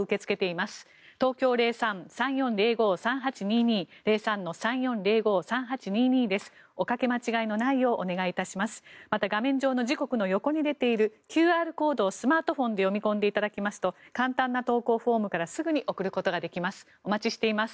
また、画面上の時刻の横に出ているＱＲコードをスマートフォンで読み込んでいただきますと簡単な投稿フォームからすぐに送ることができます。